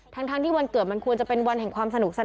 ทั้งที่วันเกิดมันควรจะเป็นวันแห่งความสนุกสนาน